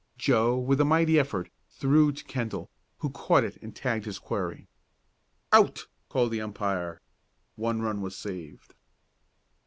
Joe, with a mighty effort, threw to Kendall, who caught it and tagged his quarry. "Out!" called the umpire. One run was saved.